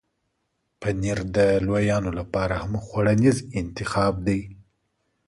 پنېر د لویانو لپاره هم خوړنیز انتخاب دی.